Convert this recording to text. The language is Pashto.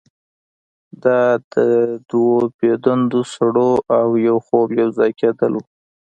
دا د دوه بې دندې سړو او یو خوب یوځای کیدل وو